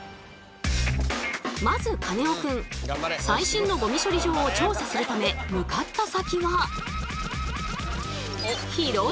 まずカネオくん最新のゴミ処理場を調査するため向かった先は。